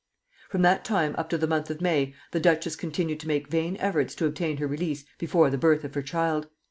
From that time up to the month of May the duchess continued to make vain efforts to obtain her release before the birth of her child.